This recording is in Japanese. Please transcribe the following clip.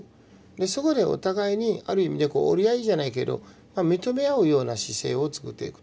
そこでお互いにある意味でこう折り合いじゃないけど認め合うような姿勢をつくっていくと。